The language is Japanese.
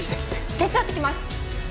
手伝ってきます！